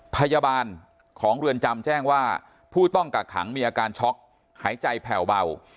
พยาบาลของเรือนจำแจ้งว่าผู้ต้องกักขังมีอาการช็อกหายใจแผ่วเบา